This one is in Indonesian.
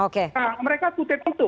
nah mereka kutip itu